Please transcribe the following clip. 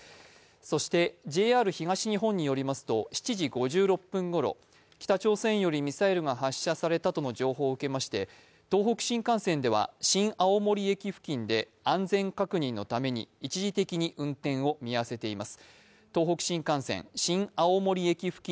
そしてＪＲ東日本によりますと、７時５６分ごろ北朝鮮よりミサイルが発射されたという情報を受けまして東北新幹線では新青森駅付近で安全確認のために一時的に運転を見合わせています。